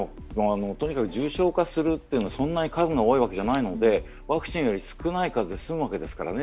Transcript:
とにかく重症化するというのはそんなに数が多いわけじゃないのでワクチンより少ない数で済むわけですからね。